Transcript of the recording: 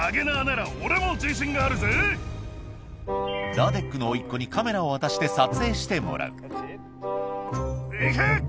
ラデックの甥っ子にカメラを渡して撮影してもらう行け！